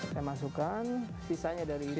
saya masukkan sisanya dari ini